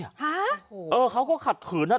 ฮะโอ้โหเออเขาก็ขัดขืนน่ะ